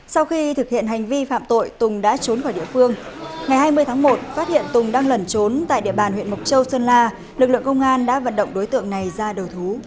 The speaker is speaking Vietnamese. sau khi thực hiện hành vi phạm tội tùng đã trốn khỏi địa phương ngày hai mươi tháng một phát hiện tùng đang lẩn trốn tại địa bàn huyện mộc châu sơn la lực lượng công an đã vận động đối tượng này ra đầu thú